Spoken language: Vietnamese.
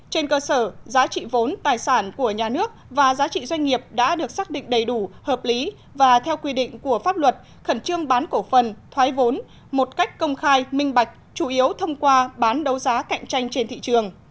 trên cơ sở giá trị vốn tài sản của nhà nước và giá trị doanh nghiệp đã được xác định đầy đủ hợp lý và theo quy định của pháp luật khẩn trương bán cổ phần thoái vốn một cách công khai minh bạch chủ yếu thông qua bán đấu giá cạnh tranh trên thị trường